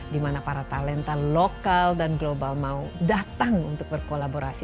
di mana para talenta lokal dan global mau datang untuk berkolaborasi